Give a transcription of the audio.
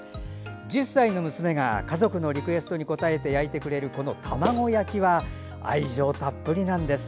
１０歳の娘が家族のリクエストに応えて焼いてくれる卵焼きは愛情たっぷりなんです。